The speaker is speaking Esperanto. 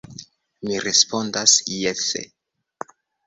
Mi respondas jese.